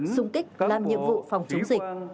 xung kích làm nhiệm vụ phòng chống dịch